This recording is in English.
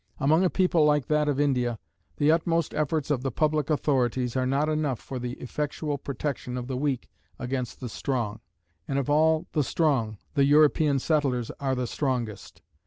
Among a people like that of India, the utmost efforts of the public authorities are not enough for the effectual protection of the weak against the strong; and of all the strong, the European settlers are the strongest.